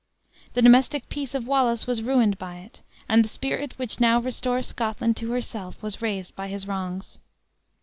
The domestic peace of Wallace was ruined by it; and the spirit which now restores Scotland to herself was raised by his wrongs."